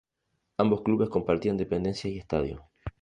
Ambos clubes compartían dependencias y estadio.